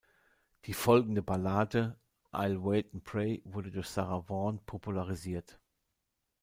Die folgende Ballade „I'll Wait and Pray“ wurde durch Sarah Vaughan popularisiert.